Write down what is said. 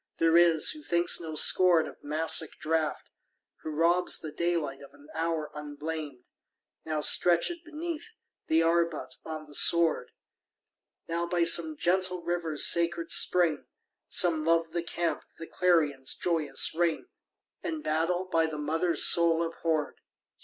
There is, who thinks no scorn of Massic draught, Who robs the daylight of an hour unblamed, Now stretch'd beneath the arbute on the sward, Now by some gentle river's sacred spring; Some love the camp, the clarion's joyous ring, And battle, by the mother's soul abhorr'd.